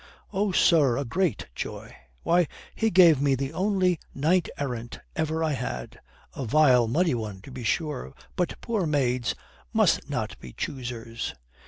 "Oh, sir, a great joy. Why, he gave me the only knight errant ever I had. A vile muddy one, to be sure, but poor maids must not be choosers.